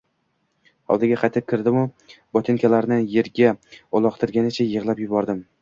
Hovliga qaytib kirdimu botinkalarni yerga uloqtirgancha yig‘lab yubordim.